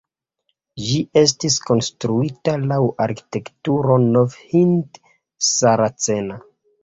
Ĝi estis konstruita laŭ arkitekturo nov-hind-saracena.